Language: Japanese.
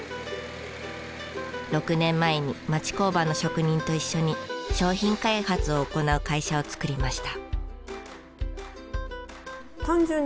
６年前に町工場の職人と一緒に商品開発を行う会社をつくりました。